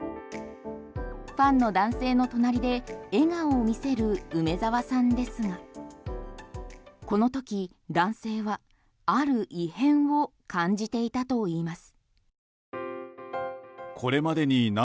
ファンの男性の隣で笑顔を見せる梅澤さんですがこの時、男性は、ある異変を感じていたといいます。